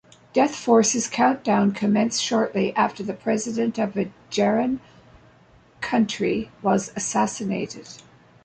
Death Force's countdown commenced shortly after the president of a Jerran country was assassinated.